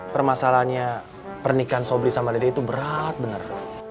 permasalahannya pernikahan sobri sama lede itu berat bener